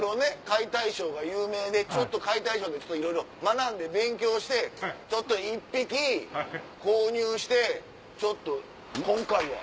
解体ショーが有名で解体ショーでちょっといろいろ学んで勉強して１匹購入してちょっと今回は。